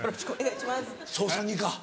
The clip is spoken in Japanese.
捜査二課？